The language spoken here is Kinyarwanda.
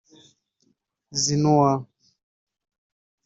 Xhinua